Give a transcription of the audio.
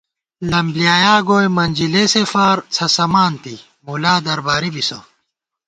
لم بۡلیایا گوئی منجلېسےفار څھسَمانتی مُلا درباری بِسہ